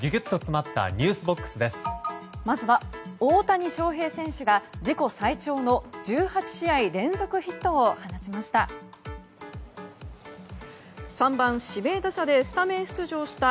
まずは大谷翔平選手が自己最長の１８試合連続ヒットを放ちました。